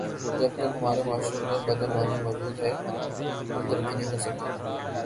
جب تم ہمارے معاشرے میں بدعنوانی موجود ہے ہم ترقی نہیں کرسکتے